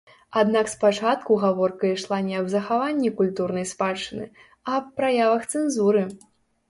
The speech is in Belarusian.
Аднак спачатку гаворка ішла не аб захаванні культурнай спадчыны, а аб праявах цэнзуры.